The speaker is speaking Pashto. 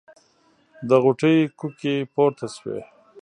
د غوټۍ کوکې پورته شوې.